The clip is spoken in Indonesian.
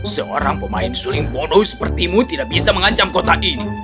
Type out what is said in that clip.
seorang pemain suling bodoh sepertimu tidak bisa mengancam kota ini